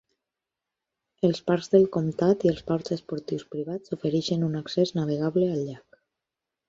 Els parcs del comtat i els ports esportius privats ofereixen un accés navegable al llac.